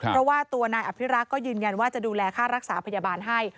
เพราะว่าตัวนายอภิรักษ์ก็ยืนยันว่าจะดูแลค่ารักษาพยาบาลให้